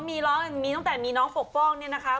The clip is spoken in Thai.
มีร้องมีตั้งแต่มีน้องปกป้องเนี่ยนะคะ